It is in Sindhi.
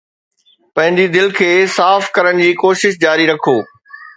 پنهنجي دل کي صاف ڪرڻ جي ڪوشش جاري رکو